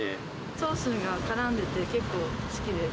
ソースが絡んでて、結構好きです。